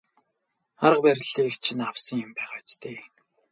Арга барилыг чинь авсан юм байгаа биз дээ.